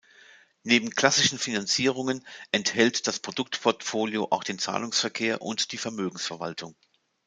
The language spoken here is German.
Neben klassischen Finanzierungen enthält das Produktportfolio auch den Zahlungsverkehr und die Vermögensverwaltung.